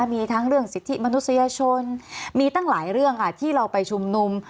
มีทั้งเรื่องสิทธิมนุษยชนมีตั้งหลายเรื่องค่ะที่เราไปชุมนุม